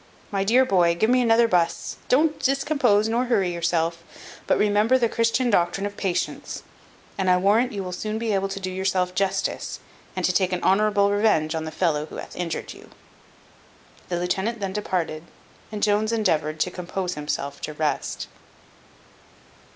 My dear boy, give me another buss. Don't discompose nor hurry yourself; but remember the Christian doctrine of patience, and I warrant you will soon be able to do yourself justice, and to take an honourable revenge on the fellow who hath injured you." The lieutenant then departed, and Jones endeavoured to compose himself to rest.